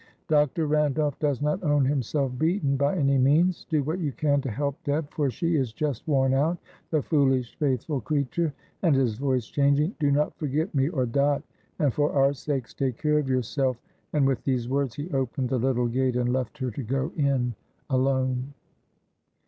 "Dr. Randolph does not own himself beaten by any means. Do what you can to help Deb, for she is just worn out, the foolish, faithful creature;" and his voice changing, "do not forget me or Dot, and for our sakes take care of yourself," and with these words he opened the little gate and left her to go in alone.